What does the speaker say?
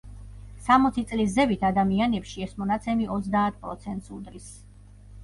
სამოცი წლის ზევით ადამიანებში ეს მონაცემი ოცდაათ პროცენტს უდრის.